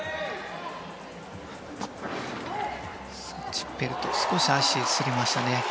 ティッペルト少し足をすりましたね。